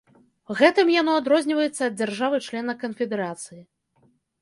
Гэтым яно адрозніваецца ад дзяржавы-члена канфедэрацыі.